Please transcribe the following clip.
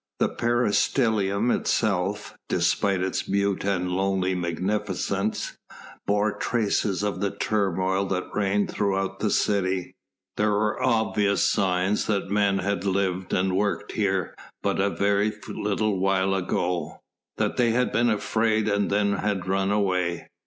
The peristylium itself, despite its mute and lonely magnificence, bore traces of the turmoil that reigned throughout the city; there were obvious signs that men had lived and worked here but a very little while ago, that they had been afraid and then had run away.